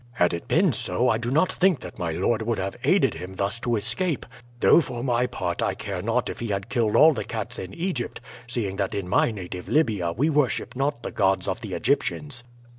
Had it been so I do not think that my lord would have aided him thus to escape; though for my part I care not if he had killed all the cats in Egypt, seeing that in my native Libya we worship not the gods of the Egyptians."